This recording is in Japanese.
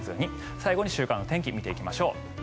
最後に週間天気を見ていきましょう。